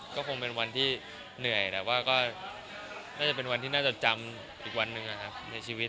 ก็คงเป็นวันที่เหนื่อยแต่ว่าก็น่าจะเป็นวันที่น่าจะจำอีกวันหนึ่งนะครับในชีวิต